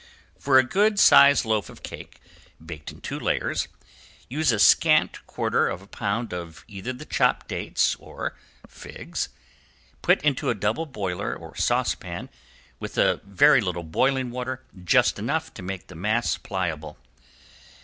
For a good size loaf of cake, baked in two layers, use a scant quarter of a pound of either the chopped dates or figs, put into a double boiler or saucepan with a very little boiling water, just enough to make the mass pliable.